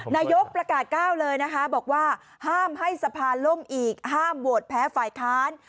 นายกประกาศก้าวเลยนะคะบอกว่าห้ามให้สภาล่มอีกห้ามโหวตแพ้ฝ่ายค้าน